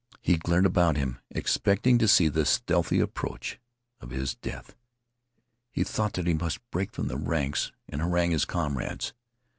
He glared about him, expecting to see the stealthy approach of his death. He thought that he must break from the ranks and harangue his comrades.